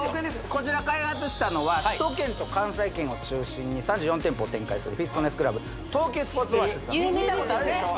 こちら開発したのは首都圏と関西圏を中心に３４店舗を展開するフィットネスクラブ東急スポーツオアシスさん見たことあるでしょ？